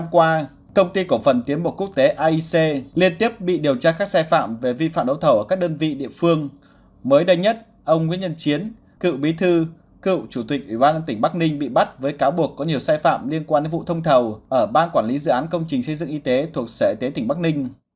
các xe phạm của quốc tế aic liên tiếp bị điều tra các xe phạm về vi phạm đấu thầu ở các đơn vị địa phương mới đây nhất ông nguyễn nhân chiến cựu bí thư cựu chủ tịch ủy ban tỉnh bắc ninh bị bắt với cáo buộc có nhiều xe phạm liên quan đến vụ thông thầu ở ban quản lý dự án công trình xây dựng y tế thuộc sở y tế tỉnh bắc ninh